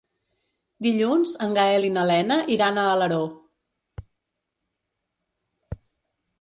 Dilluns en Gaël i na Lena iran a Alaró.